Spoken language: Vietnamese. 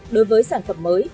đối với sản phẩm mới